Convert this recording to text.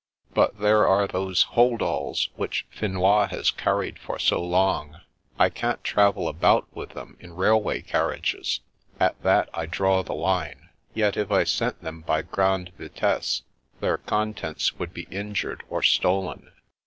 But there are those hold alls which Finois has carried for so long. I can't travel about with them in railway carriages ; at that I draw the line ; yet if I sent them by grande vitesse, their contents would be injured or stolen.